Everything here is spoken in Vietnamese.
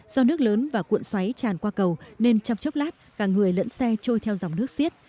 do nước lớn và cuộn xoáy tràn qua cầu nên trong chốc lát cả người lẫn xe trôi theo dòng nước xiết